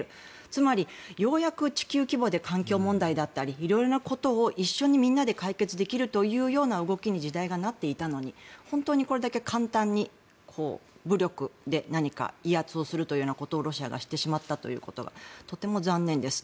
つまり、ようやく地球規模で環境問題だったり色んなことを一緒にみんなで解決できるという動きに時代がなっていたのに本当にこれだけ簡単に武力で何か威圧をするということをロシアがしてしまったということがとても残念です。